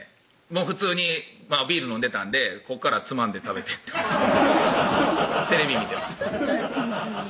普通にビール飲んでたんでここからつまんで食べてテレビ見てますええ